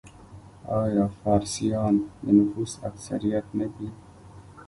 آیا فارسیان د نفوس اکثریت نه دي؟